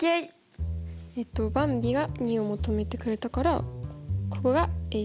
えっとばんびが２を求めてくれたからここが＝２。